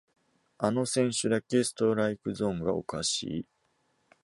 あの選手だけストライクゾーンがおかしい